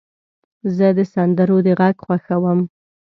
زه د سندرو د غږ خوښوم.